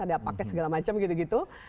ada yang pakai segala macam gitu gitu